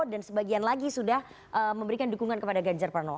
dan sebagian lagi sudah memberikan dukungan kepada ganjar pranowo